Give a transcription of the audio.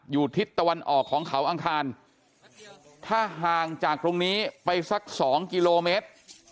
ทิศตะวันออกของเขาอังคารถ้าห่างจากตรงนี้ไปสัก๒กิโลเมตร